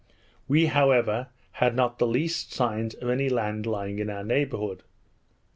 We, however, had not the least signs of any land lying in our neighbourhood.